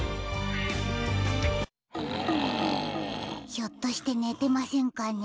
ひょっとしてねてませんかね？